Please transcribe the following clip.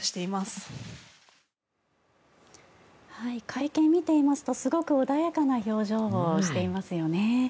会見を見ていますとすごく穏やかな表情をしていますよね。